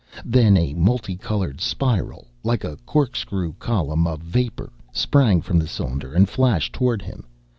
Then a multicolored spiral, like a corkscrew column of vapor, sprang from the cylinder and flashed toward him.